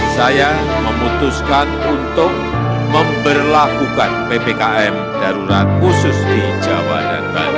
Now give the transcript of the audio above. saya memutuskan untuk memperlakukan ppkm darurat khusus di jawa dan bali